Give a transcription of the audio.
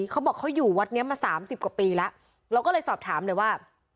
เขาบอกเขาอยู่วัดนี้มา๓๐กว่าปีแล้วเราก็เลยสอบถามเลยว่า